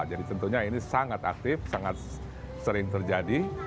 jadi tentunya ini sangat aktif sangat sering terjadi